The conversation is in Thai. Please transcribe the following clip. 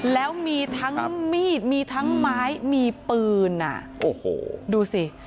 แล้วมีทั้งมีดมีทั้งไม้มีปืนอ่ะโอ้โหดูสิ